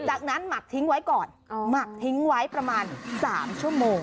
จากนั้นหมักทิ้งไว้ก่อนหมักทิ้งไว้ประมาณ๓ชั่วโมง